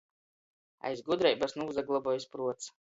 Aiz gudreibys nūsaglobuojs pruots.